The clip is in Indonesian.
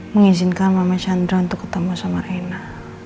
mengizinkan mama chandra untuk ketemu sama hena